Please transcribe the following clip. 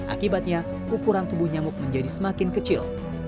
akibatnya ukuran tubuh nyamuk menjadi semakin kecil